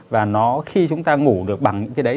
và nó khi chúng ta ngủ được bằng những cái đấy